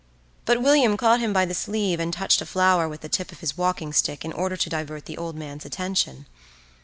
But William caught him by the sleeve and touched a flower with the tip of his walking stick in order to divert the old man's attention.